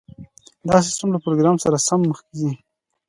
دا سیستم له پروګرام سره سم مخکې ځي